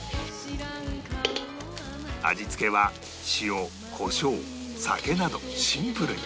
味付けは塩胡椒酒などシンプルに